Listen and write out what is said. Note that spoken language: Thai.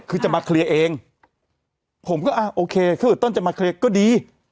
คือจะมาเคลียร์เองผมก็อ่ะโอเคถ้าเกิดต้นจะมาเคลียร์ก็ดี